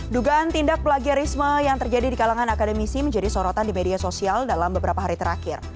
dugaan tindak plagiarisme yang terjadi di kalangan akademisi menjadi sorotan di media sosial dalam beberapa hari terakhir